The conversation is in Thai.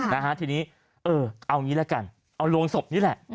นะฮะทีนี้เออเอางี้ละกันเอาโรงศพนี่แหละ